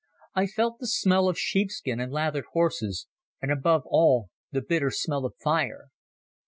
I felt the smell of sheepskin and lathered horses, and above all the bitter smell of fire.